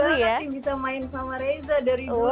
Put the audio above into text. pengen banget sih bisa main sama resa dari dulu